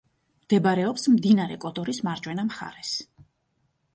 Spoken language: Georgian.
მდებარეობს მდინარე კოდორის მარჯვენა მხარეს.